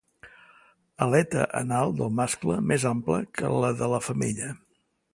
Aleta anal del mascle més ampla que la de la femella.